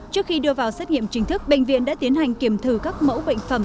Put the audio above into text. trước khi đưa vào xét nghiệm chính thức bệnh viện đã tiến hành kiểm thử các mẫu bệnh phẩm